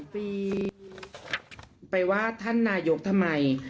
ปีไปว่าท่านนายกทำไม